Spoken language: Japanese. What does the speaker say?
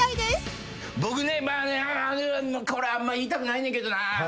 僕ねこれあんま言いたくないねんけどなぁ。